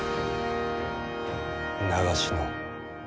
長篠。